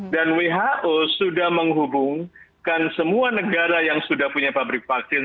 dan who sudah menghubungkan semua negara yang sudah punya pabrik vaksin